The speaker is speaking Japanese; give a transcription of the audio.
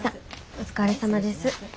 お疲れさまです。